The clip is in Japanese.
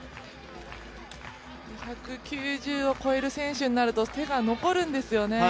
１９０を超える選手になると手が残るんですよね。